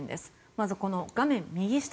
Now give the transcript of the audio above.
まず画面右下